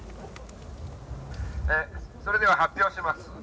ええそれでは発表します。